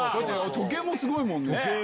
時計もすごいもんね。